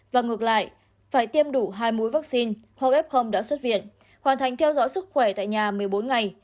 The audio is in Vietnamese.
và ngược lại phải tiêm đủ hai mũi vaccine hoặc f đã xuất viện hoàn thành theo dõi sức khỏe tại nhà một mươi bốn ngày